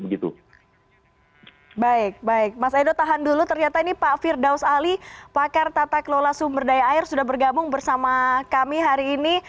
baik baik mas edo tahan dulu ternyata ini pak firdaus ali pakar tata kelola sumber daya air sudah bergabung bersama kami hari ini